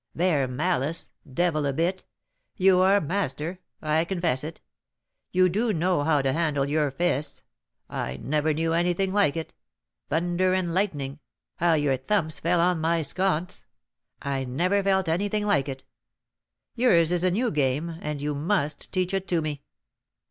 "Bear malice! Devil a bit! You are master, I confess it. You do know how to handle your fists; I never knew anything like it. Thunder and lightning! how your thumps fell on my sconce, I never felt anything like it. Yours is a new game, and you must teach it to me."